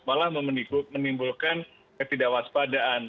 malah menimbulkan ketidakwaspadaan